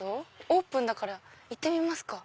オープンだから行ってみますか。